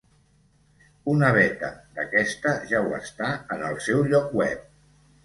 Una beta d'aquesta ja ho està en el seu lloc web.